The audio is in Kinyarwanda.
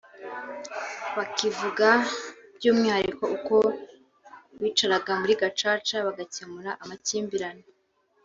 bakivuga by’umwihariko uko bicaraga muri Gacaca bagakemura amakimbirane